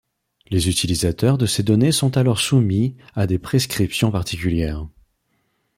Les utilisateurs de ces données sont alors soumis à des prescriptions particulières.